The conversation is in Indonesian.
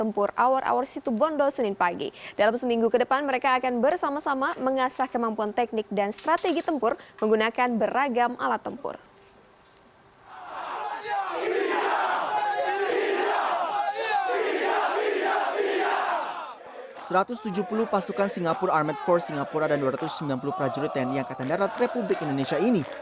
satu ratus tujuh puluh pasukan singapura armored force singapura dan dua ratus sembilan puluh prajurit tni angkatan darat republik indonesia ini